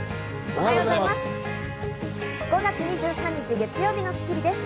おはようございます。